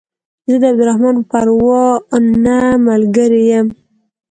زه د عبدالرحمن پروانه ملګری يم